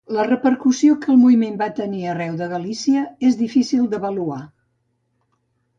La repercussió que el moviment va tenir arreu de Galícia és difícil d'avaluar.